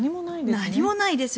何もないです。